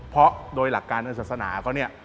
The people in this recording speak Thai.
เพราะโดยหลักการสัสนาก็เนี่ย